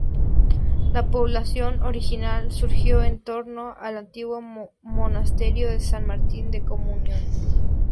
La población original surgió en torno al antiguo monasterio de San Martín de Comunión.